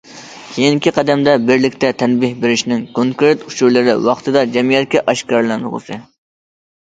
كېيىنكى قەدەمدە، بىرلىكتە تەنبىھ بېرىشنىڭ كونكرېت ئۇچۇرلىرى ۋاقتىدا جەمئىيەتكە ئاشكارىلانغۇسى.